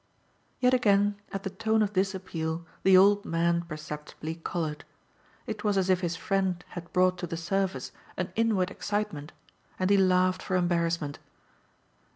Yet again, at the tone of this appeal, the old man perceptibly coloured. It was as if his friend had brought to the surface an inward excitement, and he laughed for embarrassment.